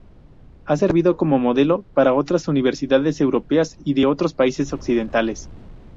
Ha servido como modelo para otras universidades europeas y de otros países occidentales.